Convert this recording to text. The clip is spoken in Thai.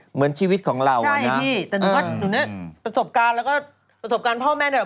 เหมือนชีวิตของเรานะนะ